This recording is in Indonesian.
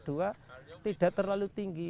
dua tidak terlalu tinggi